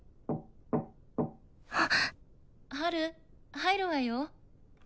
入るわよ。